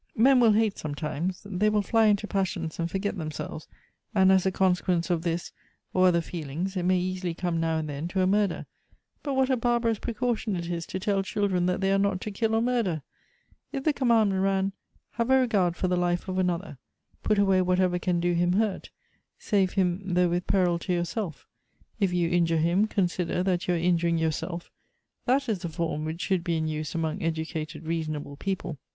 Men will hate sometimes ; they will fly into passions .and forget themselves ; and as a consequence of this or other 14 314 feelings, it may easily come now and then to a murder; but what a barbarous precaution it is to tell children that they are not to kill or murder ! If the commandment ran, 'Have a regard for the life of another — put away whatever can do him hurt — save him though with peril to yourself — if you injure him, consider that you are injui ing yourself;' — that is the form which should be in use among educated, reasonable people.